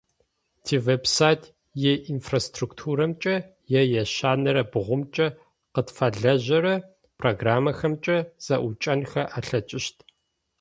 Тивеб-сайт иинфраструктурэкӏэ, е ящэнэрэ бгъумкӏэ къытфэлэжьэрэ программэхэмкӏэ зэӏукӏэнхэ алъэкӏыщт.